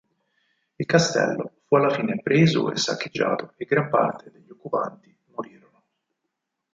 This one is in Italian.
Il castello fu alla fine preso e saccheggiato e gran parte degli occupanti morirono.